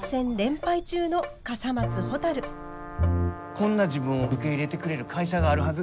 こんな自分を受け入れてくれる会社があるはず